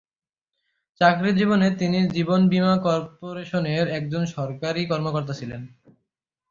চাকরি জীবনে তিনি জীবন বীমা করপোরেশনের একজন সরকারি কর্মকর্তা ছিলেন।